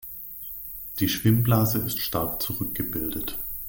Die Schwimmblase ist stark zurückgebildet.